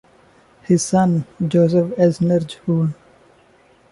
His son, Joseph Elsner jun.